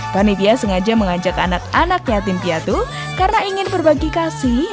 panitia sengaja mengajak anak anak yatim piatu karena ingin berbagi kasih